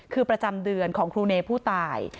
คือประจำเดือนของครูเนผู้ตาย